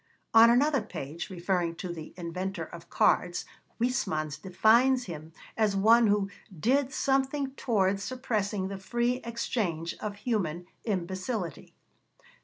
On another page, referring to the inventor of cards, Huysmans defines him as one who 'did something towards suppressing the free exchange of human imbecility.'